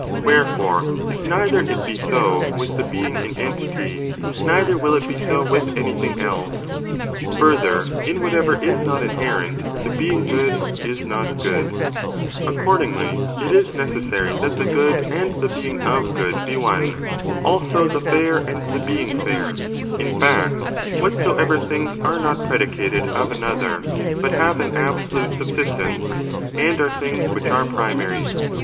Wherefore, if neither it be so with the being in entity, neither will it be so with anything else. E\Mc\}ast/Ya. whatever is not inherent the being good is iio\. ^oo^* N 178 THI MBTAFHYBIOB OF ABISTOTLS. [bOOK YL 3. Dedaotkm Accordingly, it is necessary that the good and ftom thii. f^Q being of good ^ be one, also the fiur and the being fidr; in &ct, whatsoever things are not predicated of another, but haye an absolute subsistence, and are things which are primary.